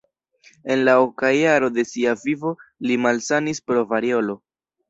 En la oka jaro de sia vivo li malsanis pro variolo.